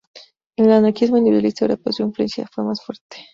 En el anarquismo individualista europeo su influencia fue más fuerte.